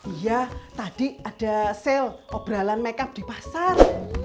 iya tadi ada sale obrolan makeup di pasar